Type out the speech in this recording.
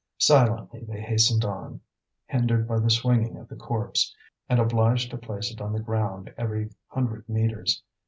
Silently they hastened on, hindered by the swinging of the corpse, and obliged to place it on the ground every hundred metres.